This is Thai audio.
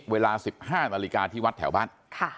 เวลา๑๕นาฬิกาที่วัดแถวบ้าน